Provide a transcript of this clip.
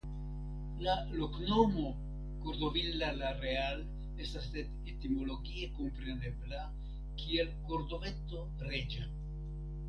La loknomo "Cordovilla la Real" estas etimologie komprenebla kiel Kordoveto Reĝa.